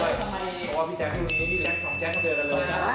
เพราะว่าพี่แจ๊ควันนี้พี่แจ๊คสองแจ๊คมาเจอกันเลย